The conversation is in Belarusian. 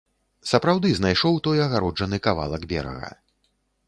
Сапраўды знайшоў той агароджаны кавалак берага.